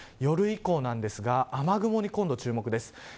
夜以降なんですが雨雲に今度、注目です。